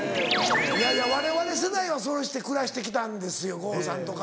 われわれ世代はそうして暮らして来たんです郷さんとか。